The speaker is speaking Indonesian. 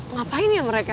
ngapain ya mereka